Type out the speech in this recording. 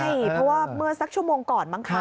ใช่เพราะว่าเมื่อสักชั่วโมงก่อนมั้งคะ